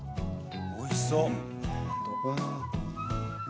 おいしそう！